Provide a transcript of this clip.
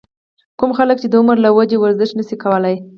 کوم خلک چې د عمر له وجې ورزش نشي کولے